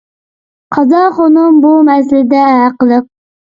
قازاخۇنۇم بۇ مەسىلىدە ھەقلىق.